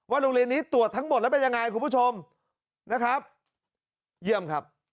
โรงเรียนนี้ตรวจทั้งหมดแล้วเป็นยังไงคุณผู้ชมนะครับเยี่ยมครับ